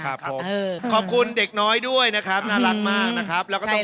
ครับผมขอบคุณเด็กน้อยด้วยนะครับน่ารักมากนะครับแล้วก็ต้อง